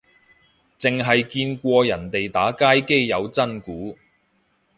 剩係見過人哋打街機有真鼓